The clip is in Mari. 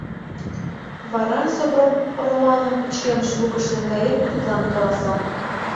Вара, Сопром Романым пычкемыш лукыш наҥгаен, тудлан каласа: